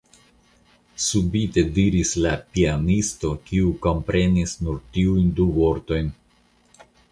subite diris la pianisto, kiu komprenis nur tiujn du vortojn.